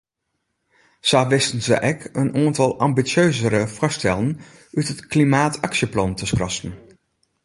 Sa wisten se ek in oantal ambisjeuzere foarstellen út it klimaataksjeplan te skrassen.